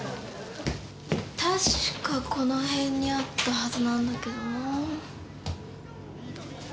確かこの辺にあったはずなんだけどな。